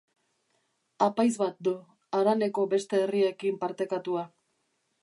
Apaiz bat du, haraneko beste herriekin partekatua.